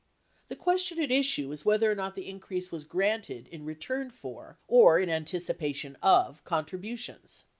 The question at issue is whether or not the increase was granted in return for or in anticipa tion of contributions.